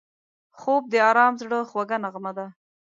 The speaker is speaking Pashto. خوب د آرام زړه خوږه نغمه ده